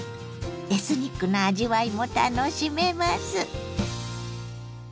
エスニックな味わいも楽しめます。